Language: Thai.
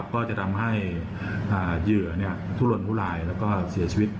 ก็จะทำให้เหยื่อทุลนทุลายแล้วก็เสียชีวิต